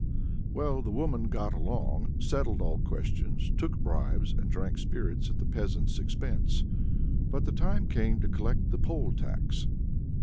Well the woman got along, settled all questions, took bribes, and drank spirits at the peasant's expense. But the time came to collect the poll tax.